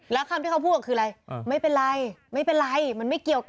แล้วคำที่เขาพูดกับคืออะไรไม่เป็นไรไม่เป็นไรมันไม่เกี่ยวกัน